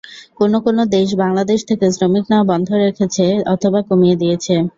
কোনো কোনো দেশ বাংলাদেশ থেকে শ্রমিক নেওয়া বন্ধ রেখেছে অথবা কমিয়ে দিয়েছে।